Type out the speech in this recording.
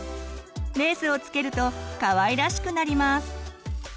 レースを付けるとかわいらしくなります。